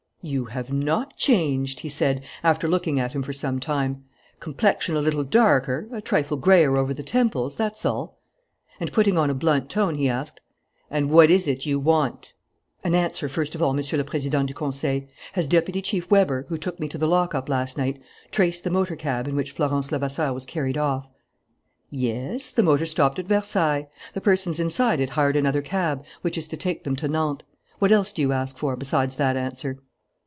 "You have not changed," he said, after looking at him for some time. "Complexion a little darker, a trifle grayer over the temples, that's all." And putting on a blunt tone, he asked: "And what is it you want?" "An answer first of all, Monsieur le Président du Conseil. Has Deputy Chief Weber, who took me to the lockup last night, traced the motor cab in which Florence Levasseur was carried off?" "Yes, the motor stopped at Versailles. The persons inside it hired another cab which is to take them to Nantes. What else do you ask for, besides that answer?"